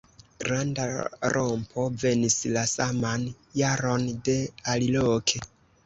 Granda rompo venis la saman jaron de aliloke.